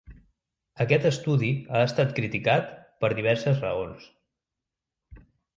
Aquest estudi ha estat criticat per diverses raons.